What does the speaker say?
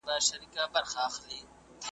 چي ده سم نه کړل خدای خبر چي به په چا سمېږي `